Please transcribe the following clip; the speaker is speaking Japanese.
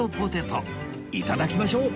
いただきましょう！